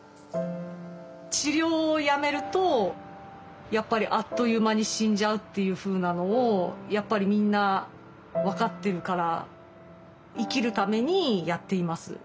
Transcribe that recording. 治療をやめるとやっぱりあっという間に死んじゃうっていうふうなのをやっぱりみんな分かってるから。